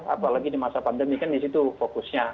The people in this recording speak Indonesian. apalagi di masa pandemi kan di situ fokusnya